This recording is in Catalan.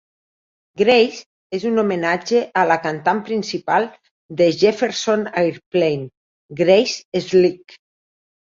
"Grace" és un homenatge a la cantant principal de Jefferson Airplane, Grace Slick.